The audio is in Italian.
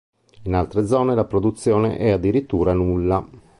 In altre zone la produzione è addirittura nulla.